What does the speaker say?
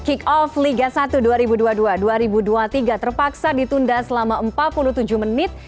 kick off liga satu dua ribu dua puluh dua dua ribu dua puluh tiga terpaksa ditunda selama empat puluh tujuh menit